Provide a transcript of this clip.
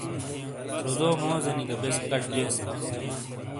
روزو موزینی گہ بیسے کچ لِیساں ۔